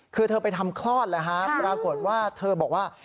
คือเธอไปทำคลอดแล้วฮะปรากฏว่าเธอบอกว่า